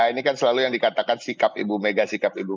ini kan selalu yang dikatakan sikap ibu mega sikap ibu